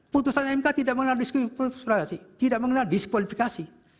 putusan imk tidak mengenal diskualifikasi